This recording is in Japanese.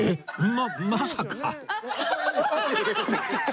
ままさか